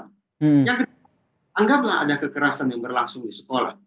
yang kedua anggaplah ada kekerasan yang berlangsung di sekolah